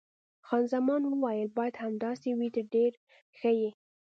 خان زمان وویل: باید همداسې وي، ته ډېر ښه یې.